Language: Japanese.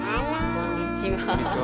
こんにちは。